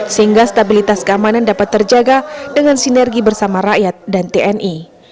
sehingga stabilitas keamanan dapat terjaga dengan sinergi bersama rakyat dan tni